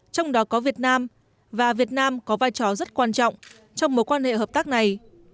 trong đó có việt nam và việt nam có vai trò rất quan trọng trong mối quan hệ hợp tác này